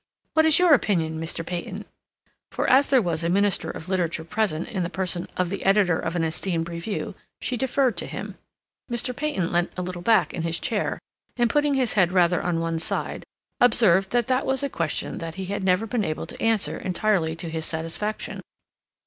What is your opinion, Mr. Peyton?" For, as there was a minister of literature present in the person of the editor of an esteemed review, she deferred to him. Mr. Peyton leant a little back in his chair, and, putting his head rather on one side, observed that that was a question that he had never been able to answer entirely to his satisfaction.